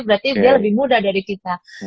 berarti dia lebih muda dari kita